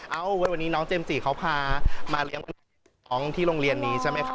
วันนี้น้องเจมส์จีเขาพามาเลี้ยงน้องที่โรงเรียนนี้ใช่ไหมคะ